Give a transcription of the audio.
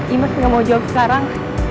imes nggak mau jawab sekarang